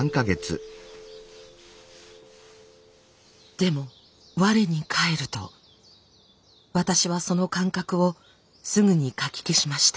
でも我に返ると私はその感覚をすぐにかき消しました。